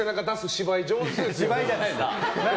芝居じゃないよ。